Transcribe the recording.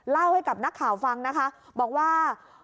เล่าให้กับนักข่าวฟังนะคะบอกว่า